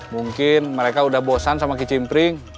mungkin mereka udah bosan sama kicimpring